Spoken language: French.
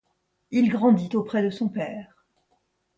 Il grandit auprès de son père.